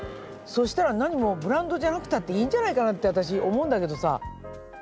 そしたらなにもブランドじゃなくたっていいんじゃないかなって私思うんだけどさ。